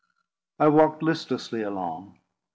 I walked listlessly along.